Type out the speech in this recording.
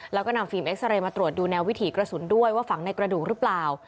แล้วก็นำฟิล์เอ็กซาเรย์มาตรวจดูแนววิถีกระสุนด้วยว่าฝังในกระดูกหรือเปล่า